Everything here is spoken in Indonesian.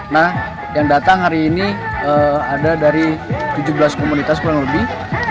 nah yang datang hari ini ada dari tujuh belas komunitas kurang lebih